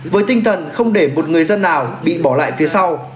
với tinh thần không để một người dân nào bị bỏ lại phía sau